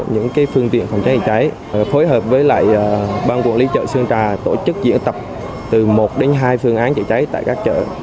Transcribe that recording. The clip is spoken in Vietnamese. những phương tiện phòng cháy chữa cháy phối hợp với lại ban quản lý chợ sơn trà tổ chức diễn tập từ một đến hai phương án chữa cháy tại các chợ